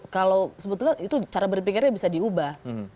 kalau sebetulnya itu cara berpikirnya bisa diubah